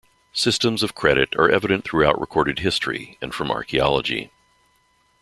Systems of credit are evident throughout recorded history and from archeology.